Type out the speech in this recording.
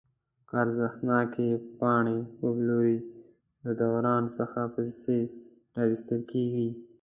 که ارزښتناکې پاڼې وپلوري د دوران څخه پیسې راویستل کیږي.